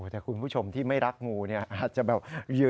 แต่คุณผู้ชมที่ไม่รักงูเนี่ยอาจจะแบบ